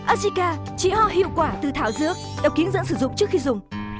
azica chỉ hoa hiệu quả từ thảo dưỡng đầu kiến dẫn sử dụng trước khi dùng